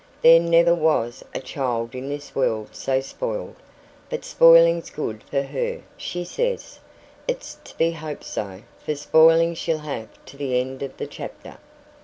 There never was a child in this world so spoiled. But spoiling's good for her, she says. It's to be hoped so, for spoiling she'll have to the end of the chapter.